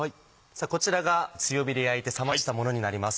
こちらが強火で焼いて冷ましたものになります。